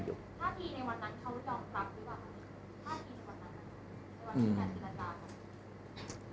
ถ้าทีในวันนั้นเขายอมรับหรือเปล่าครับ